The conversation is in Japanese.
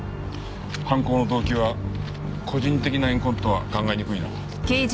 犯行の動機は個人的な怨恨とは考えにくいな。